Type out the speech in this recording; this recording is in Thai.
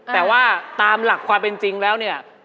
แต่ว่าตามหลักความเป็นจริงแล้วเนี่ย